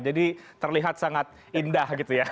jadi terlihat sangat indah gitu ya